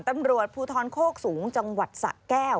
ตำรวจภูทรโคกสูงจังหวัดสะแก้ว